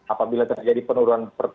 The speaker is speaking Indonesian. apabila terjadi penurunan